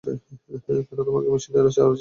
কেন তোমাকে মেশিনেরা বাঁচিয়ে রাখবে?